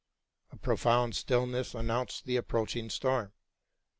A profound stillness announced the approach ing storm.